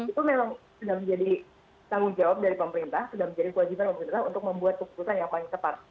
itu memang sudah menjadi tanggung jawab dari pemerintah sudah menjadi kewajiban pemerintah untuk membuat keputusan yang paling ketat